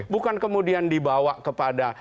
bukan kemudian dibawa kepada